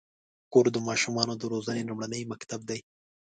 کور د ماشومانو د روزنې لومړنی مکتب دی.